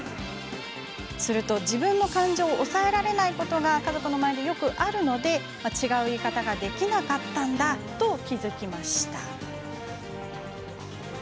すると自分の感情を抑えられないことがよくあるから違う言い方ができなかったんだと気が付きました。